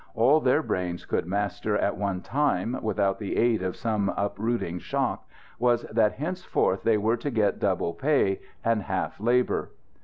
All their brains could master at one time, without the aid of some uprooting shock, was that henceforth they were to get double pay and half labour.